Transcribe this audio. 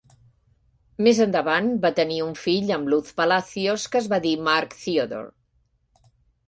Més endavant, va tenir un fill amb Luz Palacios que es va dir Marc Theodore.